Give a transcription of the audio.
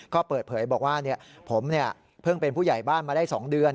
ก็เปิดเผยบอกว่าผมเพิ่งเป็นผู้ใหญ่บ้านมาได้๒เดือน